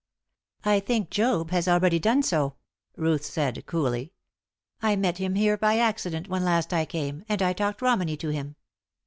"I think Job has already done so," Ruth said, coolly. "I met him here by accident when last I came, and I talked Romany to him.